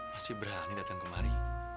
masih berani datang kemari